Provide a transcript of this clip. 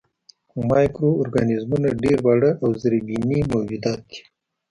مایکرو ارګانیزمونه ډېر واړه او زرېبيني موجودات دي.